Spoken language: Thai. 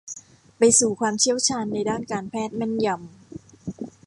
ไปสู่ความเชี่ยวชาญในด้านการแพทย์แม่นยำ